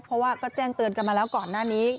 เพราะว่าก็แจ้งเตือนกันมาแล้วก่อนหน้านี้